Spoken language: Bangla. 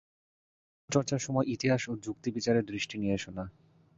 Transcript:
পুরাণ-চর্চার সময় ইতিহাস ও যুক্তিবিচারের দৃষ্টি নিয়ে এস না।